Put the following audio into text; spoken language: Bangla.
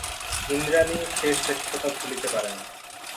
ইন্দ্রানী সে শ্রেষ্ঠতা ভুলিতে পারে না।